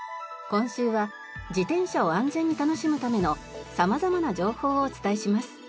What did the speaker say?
今週は自転車を安全に楽しむための様々な情報をお伝えします。